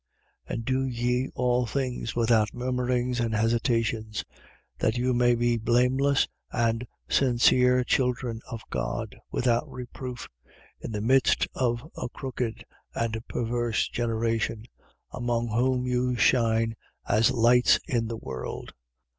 2:14. And do ye all things without murmurings and hesitations: 2:15. That you may be blameless and sincere children of God, without reproof, in the midst of a crooked and perverse generation: among whom you shine as lights in the world.